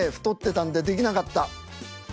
太ってたんでできなかった。